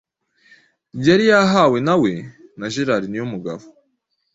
yari yahawe na we na Gérard Niyomugabo,